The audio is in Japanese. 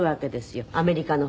アメリカの？